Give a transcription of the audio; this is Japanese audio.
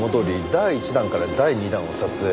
第１弾から第２弾を撮影。